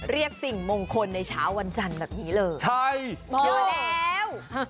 เรียกสิ่งมงคลในช้าวันจันทร์แบบนี้เลยเหรอบ้าเลยเฮ่ย